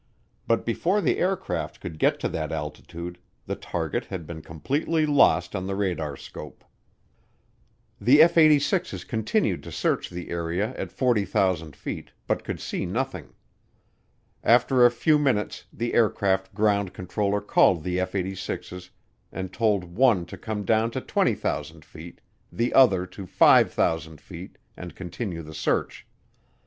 But before the aircraft could get to that altitude, the target had been completely lost on the radarscope. The F 86's continued to search the area at 40,000 feet, but could see nothing. After a few minutes the aircraft ground controller called the F 86's and told one to come down to 20,000 feet, the other to 5,000 feet, and continue the search.